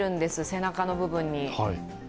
背中の部分に。